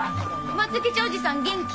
松吉叔父さん元気？